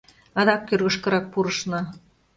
Адак кӧргышкырак пурышна.